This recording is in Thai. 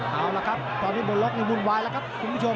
เอาล่ะครับตอนนี้บนล็อกนี่วุ่นวายแล้วครับคุณผู้ชม